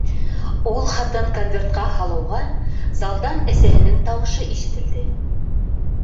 Ул хатын конвертҡа һалыуға, залдан әсәһенең тауышы ишетелде: